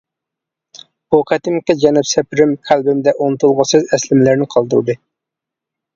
بۇ قېتىمقى جەنۇب سەپىرىم قەلبىمدە ئۇنتۇلغۇسىز ئەسلىمىلەرنى قالدۇردى.